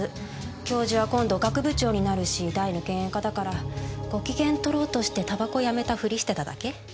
教授は今度学部長になるし大の嫌煙家だからご機嫌とろうとして煙草やめたふりしてただけ。